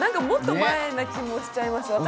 もっと前な気もしちゃいます。